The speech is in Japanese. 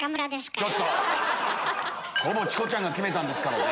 ほぼチコちゃんが決めたんですからね！